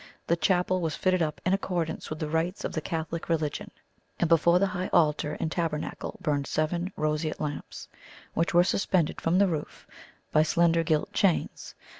The chapel was fitted up in accordance with the rites of the Catholic religion, and before the High Altar and Tabernacle burned seven roseate lamps, which were suspended from the roof by slender gilt chains.